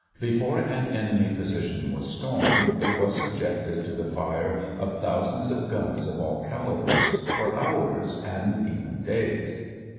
Before an enemy position was stormed it was subjected to the fire of thousands of guns of all calibers for hours and even days.